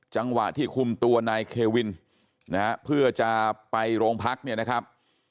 จังหวะที่คุมตัวนายเควินนะฮะเพื่อจะไปโรงพักเนี่ยนะครับ